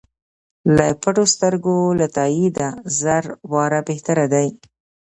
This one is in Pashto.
له پټو سترګو له تاییده زر واره بهتر دی.